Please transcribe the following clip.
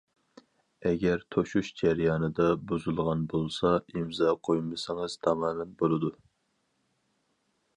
ئەگەر توشۇش جەريانىدا بۇزۇلغان بولسا ئىمزا قويمىسىڭىز تامامەن بولىدۇ.